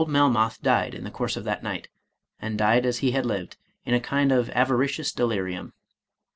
Old Melmoth died in the course of that night, and died as he had lived, in a kind of avaricious delirium.